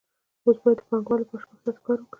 اوس باید د پانګوال لپاره شپږ ساعته کار وکړي